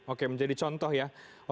oke menjadi contoh ya